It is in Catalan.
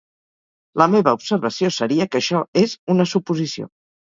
La meva observació seria que això és una suposició.